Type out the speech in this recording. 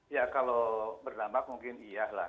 ya kalau berdampak mungkin iya lah